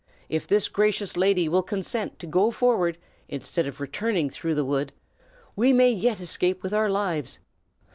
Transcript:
If this gracious lady will consent to go forward, instead of returning through the wood, we may yet escape with our lives.